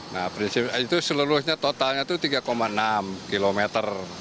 nah prinsipnya itu seluruhnya totalnya itu tiga enam kilometer